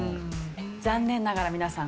残念ながら皆さん。